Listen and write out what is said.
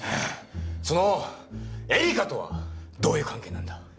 そのエリカとはどういう関係なんだ？